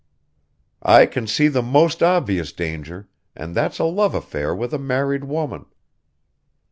"I can see the most obvious danger, and that's a love affair with a married woman."